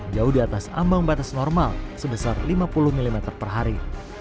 jauh di atas ambang batas normal sebesar lima puluh mm per hari